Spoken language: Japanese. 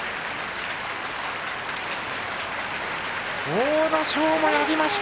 阿武咲もやりました。